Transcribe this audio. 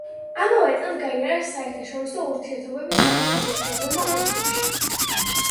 ამავე წელს გაიარა საერთაშორისო ურთიერთობების სამაგისტრო პროგრამა ოსლოში.